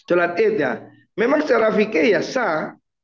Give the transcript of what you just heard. sholat id ya memang secara fikir ya sah